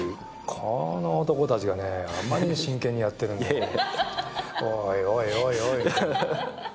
この男たちがね、あまりに真剣にやっているんで、おいおいおいおい。